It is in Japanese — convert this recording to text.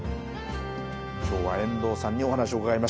今日は遠藤さんにお話を伺いました。